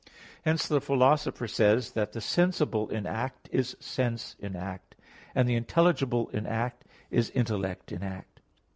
Hence the Philosopher says (De Anima iii) that "the sensible in act is sense in act, and the intelligible in act is intellect in act."